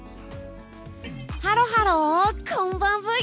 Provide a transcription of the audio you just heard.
ハロハロこんばんブイ！